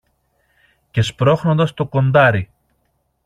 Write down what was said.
και σπρώχνοντας το κοντάρι